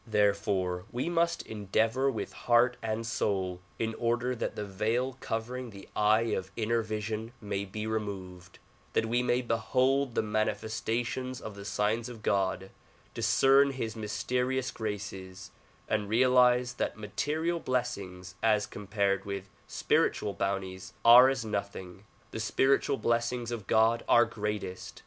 Therefore we DISCOURSES DELIVERED TX CHICAGO 87 must endeavor with heart and soul in order that the veil covering the eye of inner vision may be removed, that we may behold the manifestations of the signs of God, discern his mysterious graces, and realize that material blessings as compared with spiritual bounties are as nothing. The spiritual blessings of God are greatest.